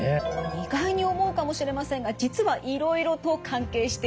意外に思うかもしれませんが実はいろいろと関係しています。